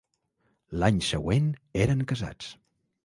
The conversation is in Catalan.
L'any següent eren casats.